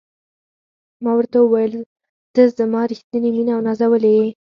ما ورته وویل: ته زما ریښتینې مینه او نازولې یې.